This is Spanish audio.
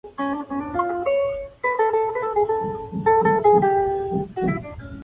El puente fue diseñado por el profesor italiano Riccardo Morandi.